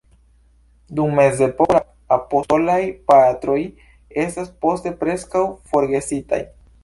Dum mezepoko la apostolaj Patroj estas poste preskaŭ forgesitaj.